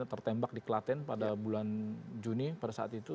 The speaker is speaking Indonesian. tertembak di klaten pada bulan juni pada saat itu